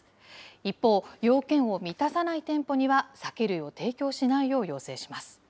一方、要件を満たさない店舗には、酒類を提供しないよう要請します。